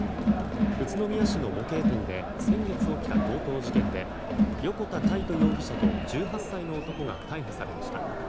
宇都宮市の模型店で先月起きた強盗事件で横田魁斗容疑者と１８歳の男が逮捕されました。